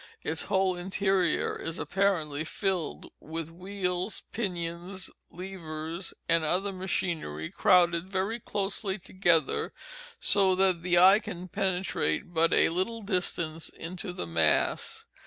Its whole interior is apparently filled with wheels, pinions, levers, and other machinery, crowded very closely together, so that the eye can penetrate but a little distance into the mass.